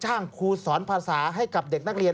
ครูสอนภาษาให้กับเด็กนักเรียน